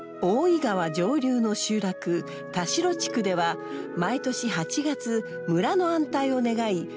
大井川上流の集落田代地区では毎年８月村の安泰を願い